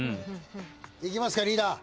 いきますかリーダー。